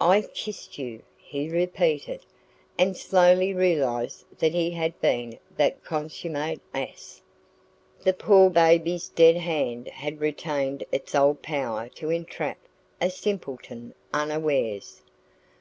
"I KISSED you!" he repeated, and slowly realised that he had been that consummate ass. The poor baby's dead hand had retained its old power to entrap a simpleton unawares.